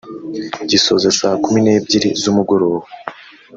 gisoza saa kumi n’ebyiri z’umugoroba